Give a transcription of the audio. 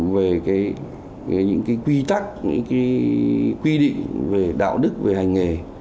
về những cái quy tắc những quy định về đạo đức về hành nghề